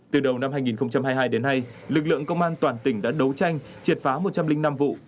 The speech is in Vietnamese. từ đầu năm hai nghìn hai mươi hai đến nay lực lượng công an toàn tỉnh đã đấu tranh triệt phá một trăm linh năm vụ